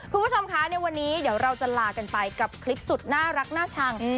คุณผู้ชมคะในวันนี้เดี๋ยวเราจะลากันไปกับคลิปสุดน่ารักน่าชัง